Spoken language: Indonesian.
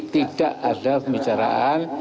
tidak ada pembicaraan